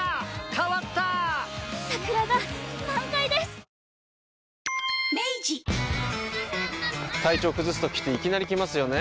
最後に体調崩すときっていきなり来ますよね。